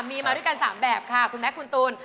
มีมาด้วยกัน๓แบบค่ะคุณแม็กคุณตูน